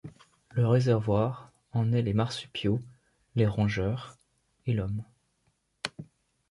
Le réservoir en est les marsupiaux, les rongeurs et l'homme.